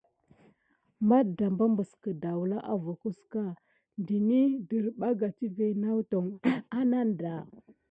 Matdamba məs kədawla abbockəka ɗənəhi dədarbane tivé nawtoŋ ananda.